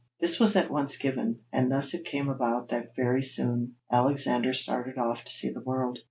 This was at once given, and thus it came about that very soon Alexander started off to see the world.